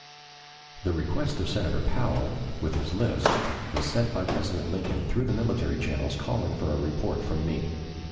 The request of Senator Powell, with his list, was sent by President Lincoln through the military channels calling for a report from me.